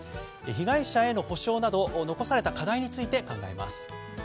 被害者への補償など残された課題について考えます。